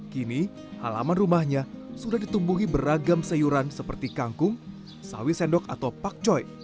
kini halaman rumahnya sudah ditumbuhi beragam sayuran seperti kangkung sawi sendok atau pakcoy